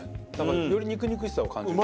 より肉々しさを感じる。